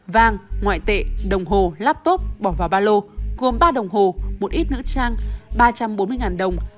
vàng ngoại tệ đồng hồ laptop bỏ vào ba lô gồm ba đồng hồ một ít nữ trang ba trăm bốn mươi đồng